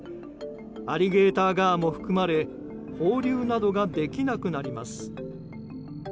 アリゲーターガーも含まれ放流などができなくなります。